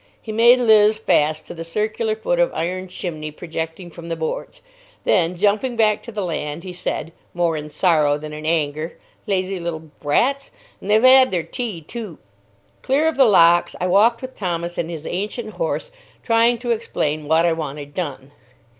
He made Liz fast to the circular foot of iron chimney projecting from the boards; then, jumping back to the land, he said, more in sorrow than in anger: "Lazy little brats! an' they've 'ad their tea, too." Clear of the locks, I walked with Thomas and his ancient horse, trying to explain what I wanted done.